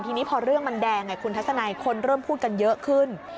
ทีนี้พอเรื่องมันแดงคุณทัศนัยคนเริ่มพูดกันเยอะขึ้น